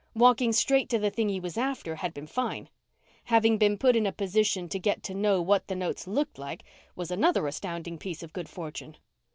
Walking straight to the thing he was after had been fine. Having been put in a position to get to know what the notes looked like was another astounding piece of good fortune.